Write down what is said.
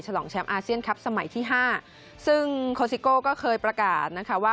ลองแชมป์อาเซียนครับสมัยที่ห้าซึ่งโคซิโก้ก็เคยประกาศนะคะว่า